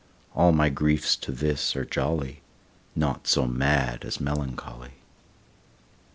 All my griefs to this are jolly, Naught so mad as melancholy.